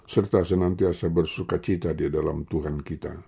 serta senantiasa bersuka cita di dalam tuhan kita